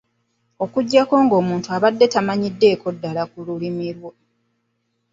Okuggyako ng'omuntu abadde tamanyiddeeko ddala ku lulumi olwo.